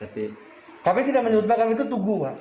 tapi tidak menurut pak itu tugu pak